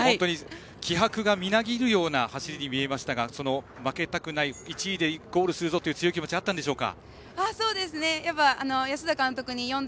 本当に気迫がみなぎるような走りに見えましたが負けたくない１位でゴールするという強い気持ちがあったんでしょうか。